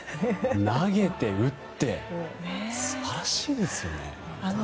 投げて打って素晴らしいですよね。